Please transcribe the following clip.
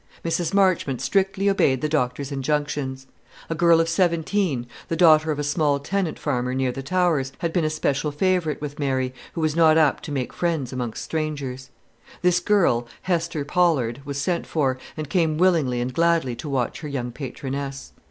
Mrs. Marchmont strictly obeyed the doctor's injunctions. A girl of seventeen, the daughter of a small tenant farmer near the Towers, had been a special favourite with Mary, who was not apt to make friends amongst strangers. This girl, Hester Pollard, was sent for, and came willingly and gladly to watch her young patroness.